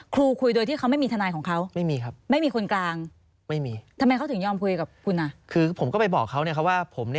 ครูคุยโดยที่เขาไม่มีทนายของเขา